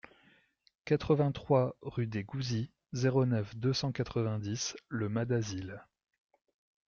quatre-vingt-trois rue des Gouzis, zéro neuf, deux cent quatre-vingt-dix Le Mas-d'Azil